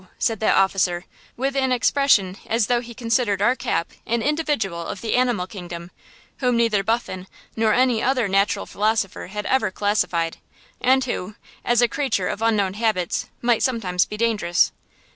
said that officer, with an expression as though he considered our Cap an individual of the animal kingdom whom neither Buffon nor any other natural philosopher had ever classified, and who, as a creature of unknown habits, might sometimes be dangerous.